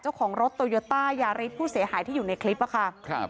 เจ้าของรถโตยัตตายาริชพู่เสียหายที่อยู่ในคลิปผมคะ